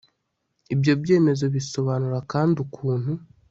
Ibyo byemezo bisobanura kandi ukuntu